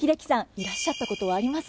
いらっしゃったことはありますか？